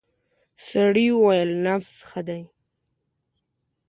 سړی وویل نبض ښه دی.